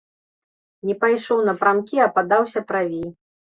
Не пайшоў напрамкі, а падаўся правей.